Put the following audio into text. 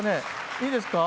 いいですか？